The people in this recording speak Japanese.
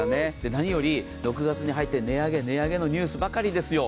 何より、６月に入って値上げ、値上げのニュースばっかりですよ。